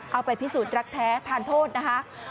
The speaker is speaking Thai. เอาไปพิสูจน์รักแท้ทานโทษนะคะ